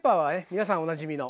皆さんおなじみの。